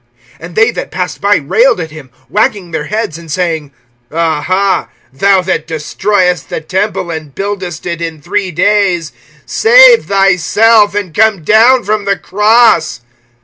(29)And they that passed by railed at him, wagging their heads, and saying: Aha, thou that destroyest the temple, and buildest it in three days; (30)save thyself, and come down from the cross.